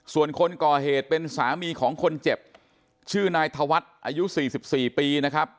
ส่วนคนก่อเหตุเป็นสามีของคนเจ็บชื่อนายธวัฒน์อายุ๔๔ปีนะครับ